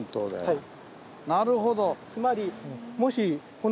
はい。